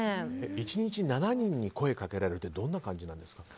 １日７人に声掛けられるってどんな感じなんですか。